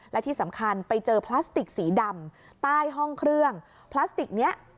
และที่สำคัญไปเจอพลาสติกสีดำใต้ห้องเครื่องพลาสติกนี้